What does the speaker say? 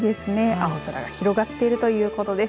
青空が広がっているということです。